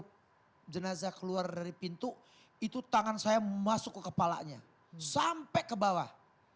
jadi saya disuruh keluar dari pintu itu tangan saya masuk ke kepalanya sampai ke bawah